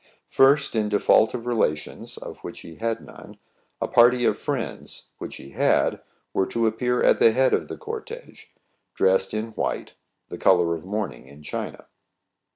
First, in default of relations, of which he had none, a party of friends, which he had, were to appear at the head of the cortege^ dressed in white, — the color of mourning in China.